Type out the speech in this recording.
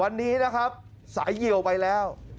ตอนนี้ก็ยิ่งแล้ว